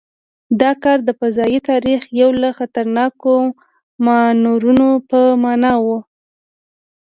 دا کار د فضايي تاریخ یو له خطرناکو مانورونو په معنا و.